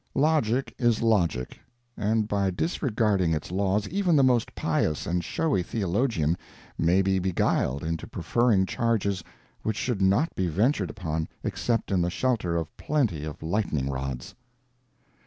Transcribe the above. Logic is logic, and by disregarding its laws even the most pious and showy theologian may be beguiled into preferring charges which should not be ventured upon except in the shelter of plenty of lightning rods.